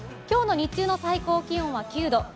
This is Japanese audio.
今日の日中の最高気温は９度。